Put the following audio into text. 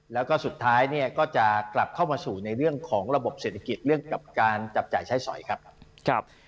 แล้วก็สุดท้ายเนี่ยก็จะกลับเข้ามาสู่ในเรื่องของระบบเศรษฐกิจเรื่องกับการจับจ่ายใช้สอยครับ